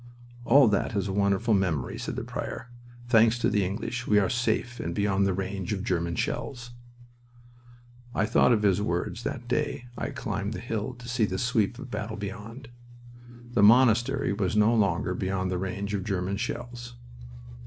"All that is a wonderful memory," said the prior. "Thanks to the English, we are safe and beyond the range of German shells." I thought of his words that day I climbed the hill to see the sweep of battle beyond. The monastery was no longer beyond the range of German shells.